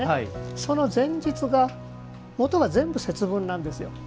その前日がもとが全部、節分なんですよ。